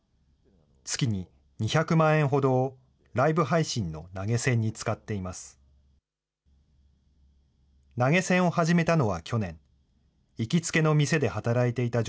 月に２００万円ほどを、ライブ配信の投げ銭に使っています。